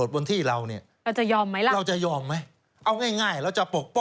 ไปแล้ว